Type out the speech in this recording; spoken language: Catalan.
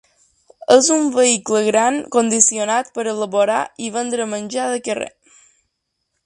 És un vehicle gran condicionat per elaborar i vendre menjar de carrer.